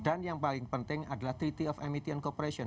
dan yang paling penting adalah treaty of amity and cooperation